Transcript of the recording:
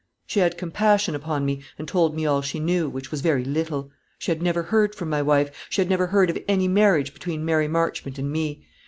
She had compassion upon me, and told me all she knew, which was very little. She had never heard from my wife. She had never heard of any marriage between Mary Marchmont and me.